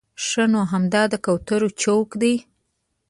ښه نو همدا د کوترو چوک دی.